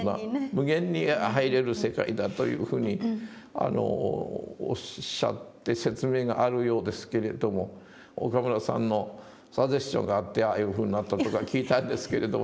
無限に入れる世界だというふうにおっしゃって説明があるようですけれども岡村さんのサジェスチョンがあってああいうふうになったとか聞いたんですけれども。